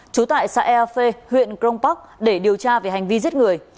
trú tại xã ea phê huyện krong pak để điều tra về hành vi giết người